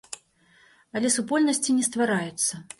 Але супольнасці не ствараюцца!